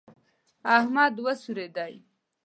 احمد وسورېدی.